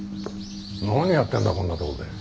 何やってんだこんなとこで。